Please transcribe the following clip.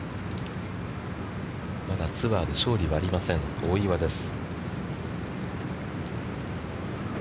まだツアーで勝利はありません大岩です。